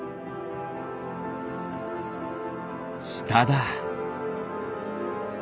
しただ。